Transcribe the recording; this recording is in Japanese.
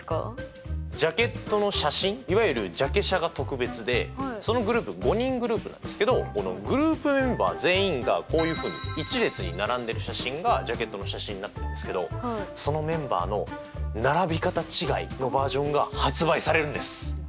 ジャケットの写真いわゆるジャケ写が特別でそのグループ５人グループなんですけどグループメンバー全員がこういうふうに１列に並んでる写真がジャケットの写真になってるんですけどそのメンバーの並び方違いのバージョンが発売されるんです！